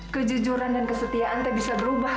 kejujuran dan kesetiaan tak bisa berubah